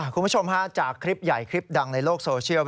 คุณผู้ชมฮะจากคลิปใหญ่คลิปดังในโลกโซเชียล